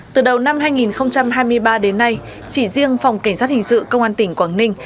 từ đầu năm hai nghìn hai mươi ba đến nay chỉ riêng phòng cảnh sát hình sự công an tỉnh quảng ninh